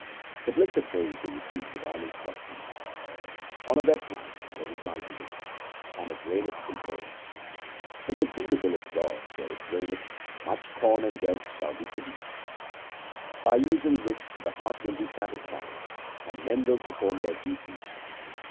The bliss of those who receive divine instruction: — On a wet night there is lightning and it raineth in torrents : If it be the will of God, where it raineth much corn and wealth shall be produced, By using which the heart will be satisfied and men will perform their duties.